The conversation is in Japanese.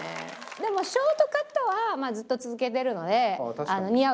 でもショートカットはずっと続けてるので。